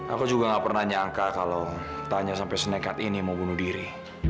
aku juga gak pernah nyangka kalau tanya sampai snekat ini mau bunuh diri